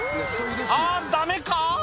「あぁダメか？」